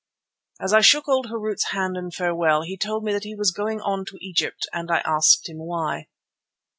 As I shook old Harût's hand in farewell he told me that he was going on to Egypt, and I asked him why.